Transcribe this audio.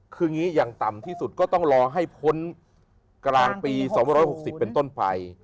คืออย่างนี้อย่างต่ำที่สุดก็ต้องรอให้พ้นกลางปี๒๖๐เป็นต้นไป